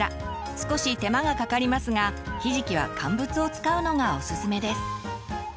少し手間がかかりますがひじきは乾物を使うのがオススメです。